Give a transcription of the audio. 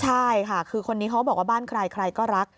ใช่ค่ะคือคนนี้เขาบอกว่าบ้านใครใครก็รัก